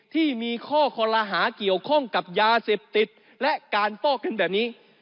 ที่มีข้อคอลหาเกี่ยวข้องกับยาเสพติดและการฟอกเงินแบบนี้